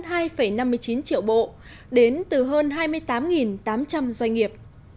triệu bộ đến từ hơn hai mươi tám tám trăm linh doanh nghiệp